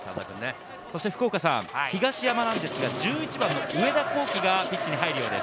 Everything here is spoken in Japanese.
東山なんですが、１１番の上田幸輝がピッチに入るようです。